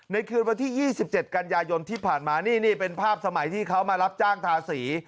คืนวันที่๒๗กันยายนที่ผ่านมานี่นี่เป็นภาพสมัยที่เขามารับจ้างทาสี